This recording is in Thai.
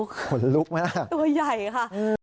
ขนลุกตัวใหญ่ค่ะขนลุกมาก